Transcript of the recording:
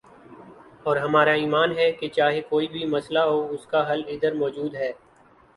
اور ہمارا ایمان ہے کہ چاہے کوئی بھی مسئلہ ہو اسکا حل ادھر موجود ہے